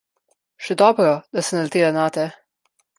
Še dobro, da sem naletela nate.